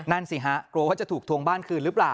นั่นสิฮะกลัวว่าจะถูกทวงบ้านคืนหรือเปล่า